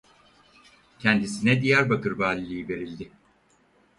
Kendisine Diyarbakır valiliği verildi.